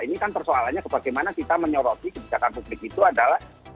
ini kan persoalannya bagaimana kita menyoroti kebijakan publik itu adalah